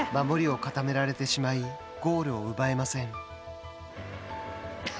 守りを固められてしまいゴールを奪えません。